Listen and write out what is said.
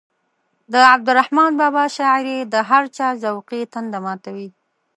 د عبدالرحمان بابا شاعري د هر چا ذوقي تنده ماتوي.